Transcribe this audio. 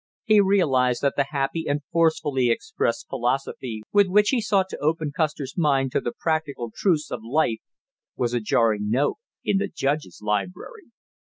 He realized that the happy and forcefully expressed philosophy with which he sought to open Custer's mind to the practical truths of life, was a jarring note in the judge's library.